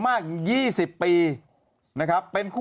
แป๊บแป๊บ